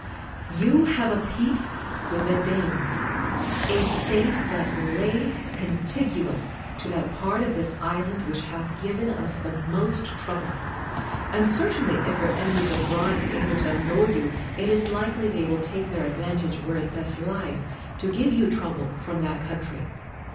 You have a peace with the Danes — a State that lay contiguous to that part of this island which hath given us the most trouble. And certainly if your enemies abroad be able to an noy you, it is likely they will take their advan tage (where it best lies) to give you trouble from that country.